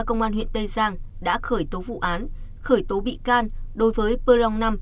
quang an huyện tây giang đã khởi tố vụ án khởi tố bị can đối với perlong năm